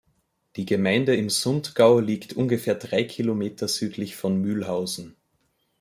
Die Gemeinde im Sundgau liegt ungefähr drei Kilometer südlich von Mülhausen.